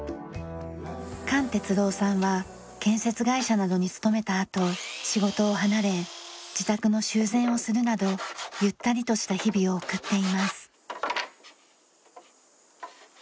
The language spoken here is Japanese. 管哲郎さんは建設会社などに勤めたあと仕事を離れ自宅の修繕をするなどゆったりとした日々を送っています。